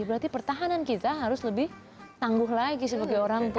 berarti pertahanan kita harus lebih tangguh lagi sebagai orang tua